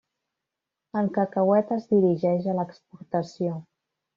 El cacauet es dirigeix a l'exportació.